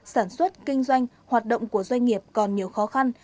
sản xuất kinh doanh hoạt động của doanh nghiệp còn nhiều khó khăn